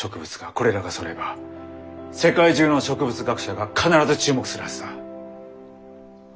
これらがそろえば世界中の植物学者が必ず注目するはずだ。